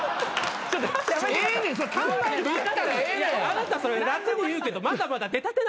あなたそれ楽に言うけどまだまだ出たてなんです。